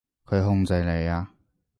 佢控制你呀？